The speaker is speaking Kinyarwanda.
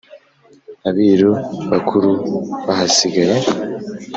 abiru bakurú bahasigáye